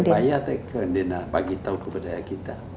dia bayar saja dia mau beritahu kepada kita